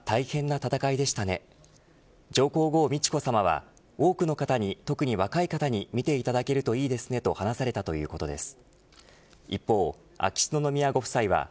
皇后美智子さまは多くの方に、特に若い方に見ていただけるといいですねと話されたということです。